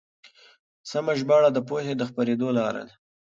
سمه ژباړه د پوهې د خپرېدو لاره ده.